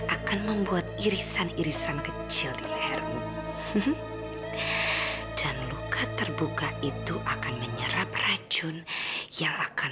akan membuat irisan irisan kecil di lehermu dan luka terbuka itu akan menyerap racun yang akan